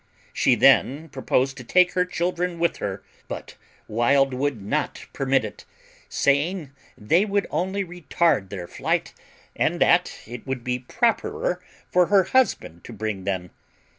She then proposed to take her children with her; but Wild would not permit it, saying they would only retard their flight, and that it would be properer for her husband to bring them.